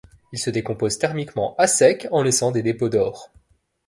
Il se décompose thermiquement à sec en laissant des dépôts d'or.